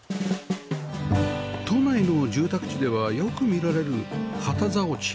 都内の住宅地ではよく見られる旗竿地